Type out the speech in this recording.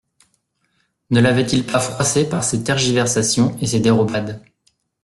Ne l'avait-il pas froissée par ses tergiversations et ses dérobades.